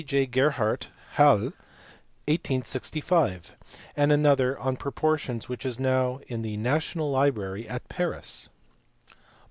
J. Gerhardt, Halle, 1865 : and another on proportions which is now in the National Library at Paris.